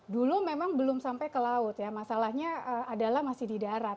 dulu memang belum sampai ke laut ya masalahnya adalah masih di darat